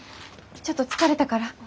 ちょっと疲れたから。